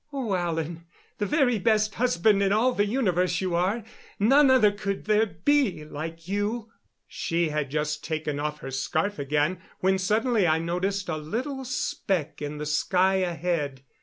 "Oh, Alan the very best husband in all the universe, you are. None other could there be like you." She had just taken off her scarf again when suddenly I noticed a little speck in the sky ahead.